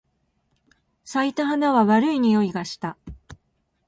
咲いた花は悪い匂いがした。